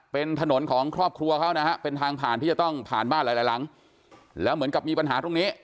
เป็นถนนของครอบครัวเขานะฮะเป็นทางผ่านที่จะต้องผ่านบ้านหลายหลายหลังแล้วเหมือนกับมีปัญหาตรงนี้